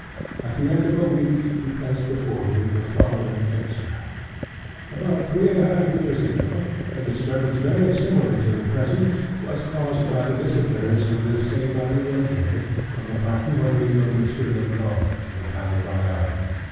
At the end of a week he placed before me the following extracts: "About three years and a half ago, a disturbance very similar to the present, was caused by the disappearance of this same Marie Rogêt, from the parfumerie of Monsieur Le Blanc, in the Palais Royal.